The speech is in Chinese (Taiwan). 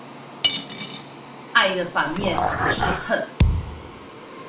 愛的反面不是恨